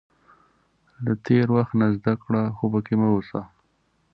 • له تېر وخت نه زده کړه، خو پکې مه اوسه.